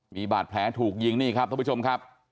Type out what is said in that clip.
มีบาดแผลถูกยิงนี่ครับท่านผู้ชมครับ